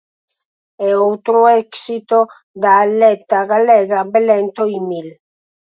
E outro éxito da atleta galega Belén Toimil.